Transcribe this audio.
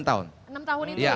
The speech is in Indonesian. enam tahun itu ya